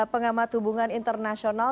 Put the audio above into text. pengamat hubungan internasional